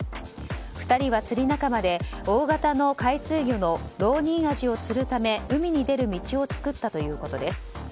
２人は釣り仲間で大型の海水魚のロウニンアジを釣るため海に出る道を作ったということです。